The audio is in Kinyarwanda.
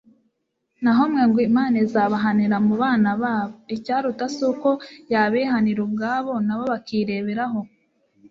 naho mwe ngo 'imana izabahanira mu bana babo!' icyaruta si uko yabihanira ubwabo, na bo bakireberaho